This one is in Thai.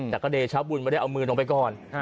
แต่ก็เดชาบุญไม่ได้เอามือลงไปก่อน